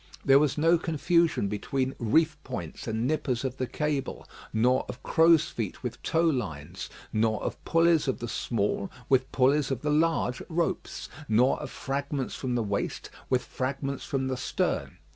There was no confusion between reef points and nippers of the cable, nor of crow's feet with towlines; nor of pulleys of the small with pulleys of the large ropes; nor of fragments from the waist with fragments from the stern.